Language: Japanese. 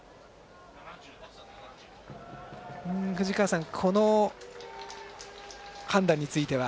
藤川さん、この判断については？